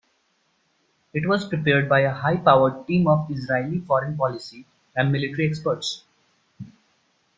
It was prepared by a high-powered team of Israeli foreign policy and military experts.